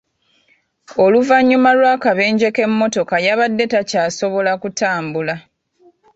Oluvannyuma lw'akabenje k'emmotoka yabadde takyasobola kutambula.